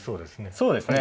そうですね。